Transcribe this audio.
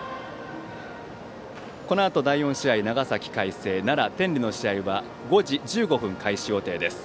このあと、第４試合長崎・海星と奈良・天理の試合は５時１５分開始予定です。